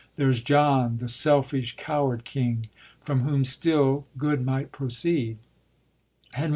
There is John, the selfish, coward king, from whom, still, good might proceed : Henry IV.